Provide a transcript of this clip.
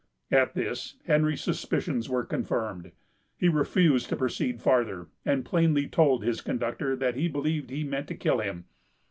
At this, Henry's suspicions were confirmed. He refused to proceed farther, and plainly told his conductor that he believed he meant to kill him.